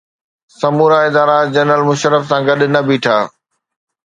سمورا ادارا جنرل مشرف سان گڏ نه بيٺا.